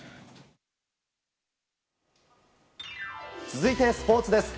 続いて、スポーツです。